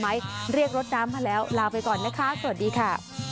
เรียกรถน้ำมาแล้วลาไปก่อนนะคะสวัสดีค่ะ